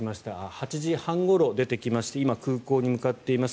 ８時半ごろ出てきまして今、空港に向かっています。